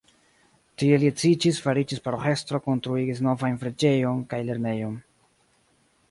Tie li edziĝis, fariĝis paroĥestro, konstruigis novajn preĝejon kaj lernejon.